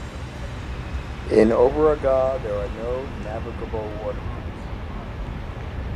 In Oberallgäu there are no navigable waterways.